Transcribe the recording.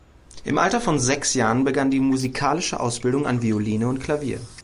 Im Alter von sechs Jahren begann die musikalische Ausbildung an Violine und Klavier.